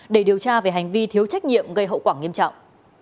để điều tra về hành vi thiếu trách nhiệm gây hậu quả nghiêm trọng